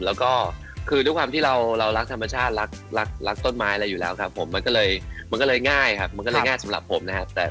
แล้วก็คือด้วยความที่เรารักธรรมชาติรักรักต้นไม้อะไรอยู่แล้วครับผมมันก็เลยมันก็เลยง่ายครับมันก็เลยง่ายสำหรับผมนะครับ